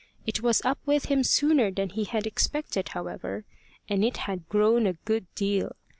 It was up with him sooner than he had expected, however, and it had grown a good deal.